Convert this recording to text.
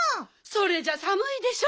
それじゃさむいでしょ。